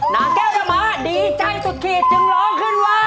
นางแก้วธรรมะดีใจสุดขีดจึงร้องขึ้นว่า